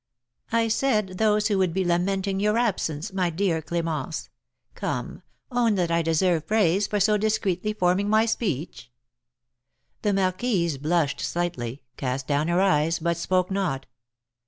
"I said those who would be lamenting your absence, my dear Clémence, come, own that I deserve praise for so discreetly forming my speech." The marquise blushed slightly, cast down her eyes, but spoke not.